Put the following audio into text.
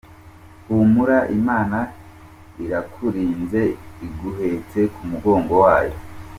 humura Imana irakurinze iguhetse kumugongo wayo.